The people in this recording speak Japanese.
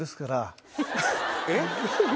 ・えっ？